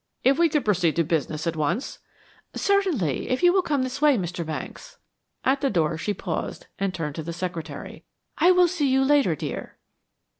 If we could proceed to business at once." "Certainly. If you will come this way, Mr. Banks " At the door she paused, and turned to the secretary: "I will see you later, dear."